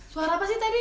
suara apa sih tadi